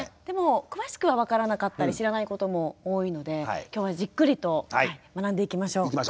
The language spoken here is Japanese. でも詳しくは分からなかったり知らないことも多いので今日はじっくりと学んでいきましょう。